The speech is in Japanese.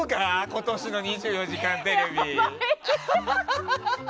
今年の「２４時間テレビ」。